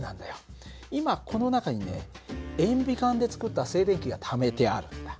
今この中にね塩ビ管で作った静電気がためてあるんだ。